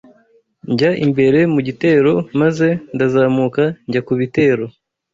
Njya imbere mu gitero maze ndazamuka njya ku bitero